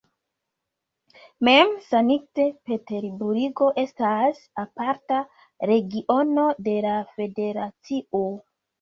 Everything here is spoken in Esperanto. Mem Sankt-Peterburgo estas aparta regiono de la federacio.